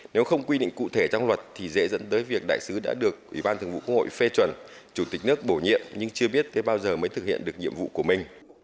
nếu không quy định cụ thể trong luật thì dễ dẫn tới việc đại sứ đã được ủy ban thường vụ quốc hội phê chuẩn chủ tịch nước bổ nhiệm nhưng chưa biết thế bao giờ mới thực hiện được nhiệm vụ của mình